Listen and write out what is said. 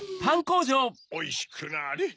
・おいしくなれ